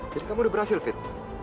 kamu udah berhasil fit